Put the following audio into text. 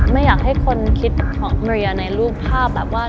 ไม่อยากให้คนคิดหอมเรียในรูปภาพแบบว่า